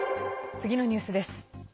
次のニュースです。